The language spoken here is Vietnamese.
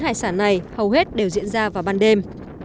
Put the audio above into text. hầu hết đều diễn ra vào ban đêm